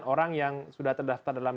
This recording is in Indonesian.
orang yang sudah terdaftar dalam